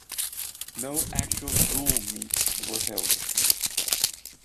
No actual dual meets were held.